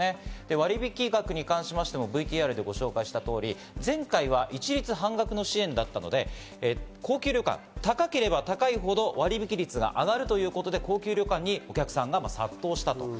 割引額に関してもＶＴＲでご紹介した通り、前回は一律半額支援だったので、高級旅館、高ければ高いほど割引率が上がるということで高級旅館にお客さんが殺到した。